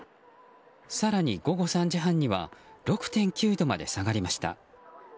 更に午後３時半には６．９度まで下がりました。